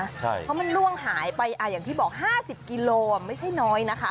ใช่เพราะมันล่วงหายไปอ่าอย่างที่บอกห้าสิบกิโลไม่ใช่น้อยนะคะ